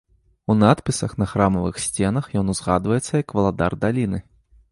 У надпісах на храмавых сценах ён узгадваецца як валадар даліны.